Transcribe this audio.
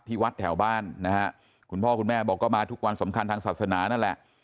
วัดแถวบ้านนะฮะคุณพ่อคุณแม่บอกก็มาทุกวันสำคัญทางศาสนานั่นแหละ